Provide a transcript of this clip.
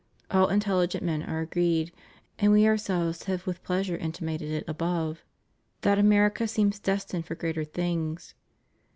All intelligent men are agreed, and We Ourselves have with pleasure intimated it above, that America seems destined for greater things.